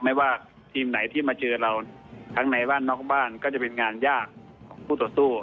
ไม่ว่าทีมไหนที่มาเจอเราทั้งในบ้านนอกบ้านก็จะเป็นงานยากของผู้ต่อสู้